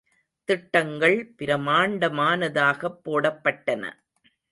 திட்டங்கள் பிரமாண்டமானதாகப் போடப்பட்டன.